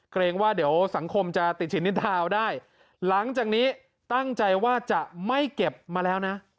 เกรงว่าเดี๋ยวสังคมจะติดชิ้นนิดทาวน์ได้หลังจากนี้ตั้งใจว่าจะไม่เก็บมาแล้วนะ